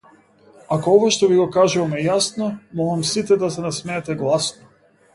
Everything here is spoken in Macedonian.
Ако ова што ви го кажувам е јасно молам сите да се насмеете гласно.